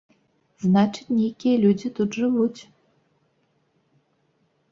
Значыць, нейкія людзі тут жывуць.